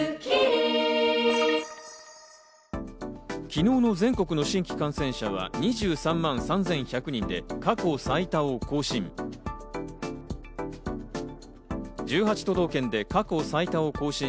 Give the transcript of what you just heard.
昨日の全国の新規感染者は２３万３１００人で過去最多を更新。